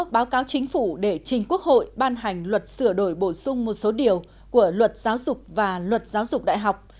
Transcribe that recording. báo cáo chính phủ để trình quốc hội ban hành luật sửa đổi bổ sung một số điều của luật giáo dục và luật giáo dục đại học